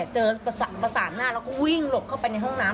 เจอประสานหน้าแล้วก็วิ่งหลบเข้าไปในห้องน้ำ